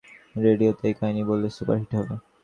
রেডিওতে এই কাহিনী বললে সুপার হিট হবে।